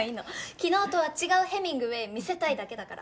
昨日とは違うヘミングウェイ見せたいだけだから。